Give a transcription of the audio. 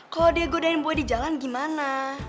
kalau dia godain gue di jalan gimana